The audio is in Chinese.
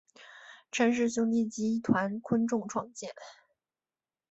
陈氏兄弟集团昆仲创建。